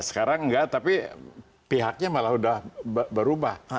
sekarang enggak tapi pihaknya malah udah berubah